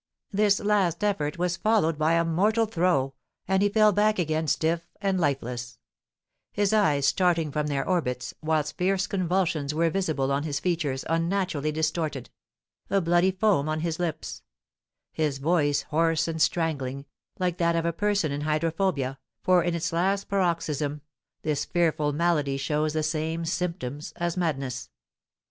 This last effort was followed by a mortal throe, and he fell back again stiff and lifeless; his eyes starting from their orbits, whilst fierce convulsions were visible on his features, unnaturally distorted; a bloody foam on his lips; his voice hoarse and strangling, like that of a person in hydrophobia, for, in its last paroxysm, this fearful malady shows the same symptoms as madness.